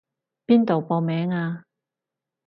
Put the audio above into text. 邊度報名啊？